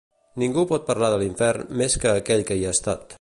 Ningú pot parlar de l'infern, més que aquell que hi ha estat.